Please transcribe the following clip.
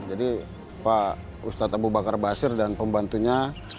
jadi pak ustadz abu bakar baasir dan pembantunya